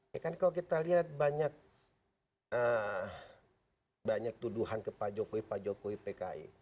ya kan kalau kita lihat banyak tuduhan ke pak jokowi pak jokowi pki